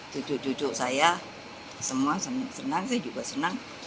cucu cucu saya semua senang saya juga senang